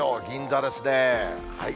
銀座ですね。